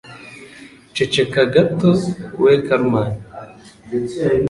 ceceka gato we Carmen".